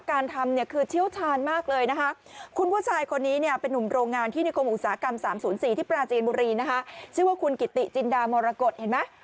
กรรมสามศูนย์สี่ที่ปราณาจีนบุรีนะฮะชื่อว่าคุณกิตติจินดามรกฎเห็นไหม